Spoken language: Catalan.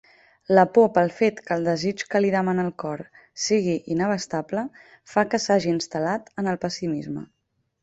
La por pel fet que el desig que li demana el cor sigui inabastable fa que s'hagi instal·lat en el pessimisme.